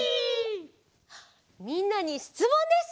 みんなにしつもんです！